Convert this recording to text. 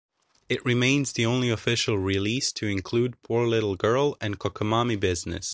It remains the only official release to include "Poor Little Girl" and "Cockamamie Business".